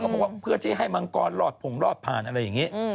บอกว่าเพื่อที่ให้มังกรรอดผงรอดผ่านอะไรอย่างนี้